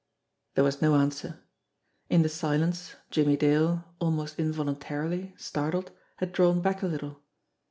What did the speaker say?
There was no answer. In the silence Jimmie Dale, almost involuntarily, startled, had drawn back a little.